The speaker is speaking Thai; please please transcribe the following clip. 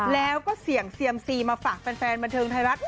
แล้วก็เสี่ยงเซียมซีมาฝากแฟนบันเทิงไทยรัฐ